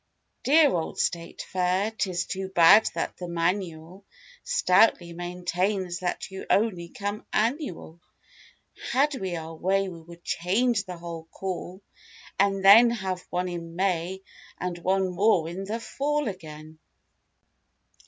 Dear old State Fair, 'tis too bad that the manual Stoutly maintains that you only come "annual." Had we our way we would change the whole call and then Have one in May and one more in the fall again.